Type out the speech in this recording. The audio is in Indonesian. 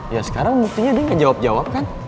ya sekarang buktinya dia gak jawab jawab kan